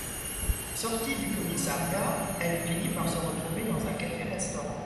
Sortie du commissariat, elle finit par se retrouver dans un café-restaurant.